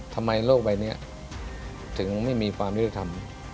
ทำไมโลกบรรยายนี้ถึงไม่มีความนิลักษณ์ทำ